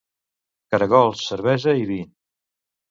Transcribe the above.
Caragols, cervesa i vi.